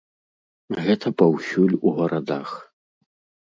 Гэта паўсюль у гарадах.